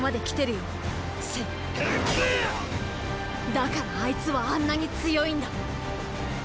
だからあいつはあんなに強いんだ！